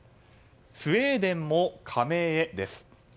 スウェーデンも加盟へです。